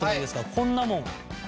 こんなもん。